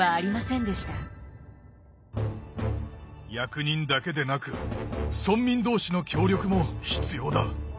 役人だけでなく村民同士の協力も必要だ！